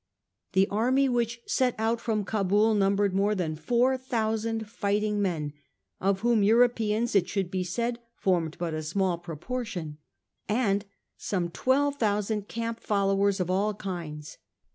The army which set out from Cabul numbered more than four thousand fighting men, of whom Europeans, it should be said, formed but a small proportion; and some twelve thousand camp followers of all kinds.